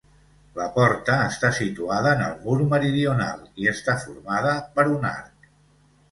La porta està situada en el mur meridional i està formada per un arc.